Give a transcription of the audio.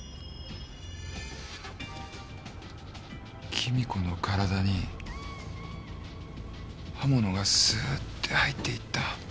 貴美子の体に刃物がスーッて入っていった。